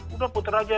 sudah putar saja